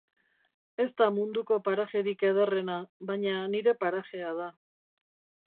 Ez da munduko parajerik ederrena, baina nire parajea da.